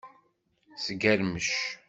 Sgermec.